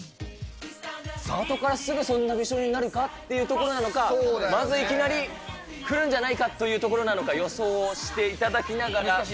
スタートからすぐそんなにびしょ濡れになるか？というところと、まずいきなり、来るんじゃないかというところなのか、予想をしていただきながら。